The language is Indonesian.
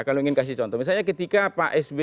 kalau ingin kasih contoh misalnya ketika pak sby